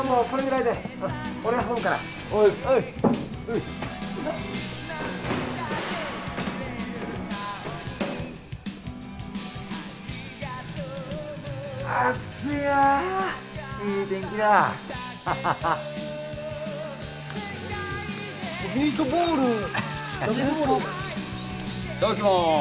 いただきます。